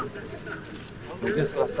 mungkin setelah setahun tahun